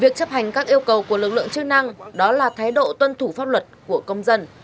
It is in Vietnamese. việc chấp hành các yêu cầu của lực lượng chức năng đó là thái độ tuân thủ pháp luật của công dân